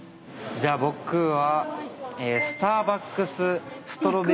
じゃあ僕は。